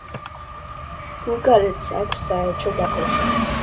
ბულგარეთს აქვს საელჩო ბაქოში.